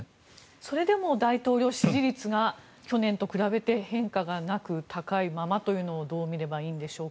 それでも大統領支持率が去年と比べて変化がなく高いままというのをどう見ればいいんでしょうか？